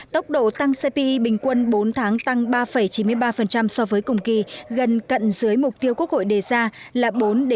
tốc độ tăng cpi bình quân bốn tháng tăng ba chín mươi ba so với cùng kỳ gần cận dưới mục tiêu quốc hội đề ra là bốn bốn